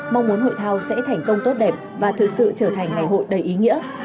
mong muốn hội thao sẽ thành công tốt đẹp và thực sự trở thành ngày hội đầy ý nghĩa